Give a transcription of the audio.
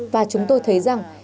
và chúng tôi thấy rằng